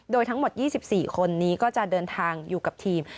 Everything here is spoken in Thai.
โดยทั้งหมด๒๔คนนี้ก็จะเดินทางอยู่กับทีม